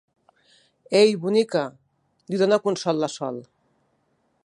Eeeei, bonica —li dona consol la Sol—.